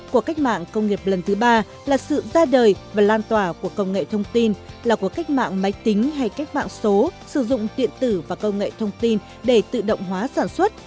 cuộc cách mạng công nghiệp lần thứ ba là sự ra đời và lan tỏa của công nghệ thông tin là của cách mạng máy tính hay cách mạng số sử dụng điện tử và công nghệ thông tin để tự động hóa sản xuất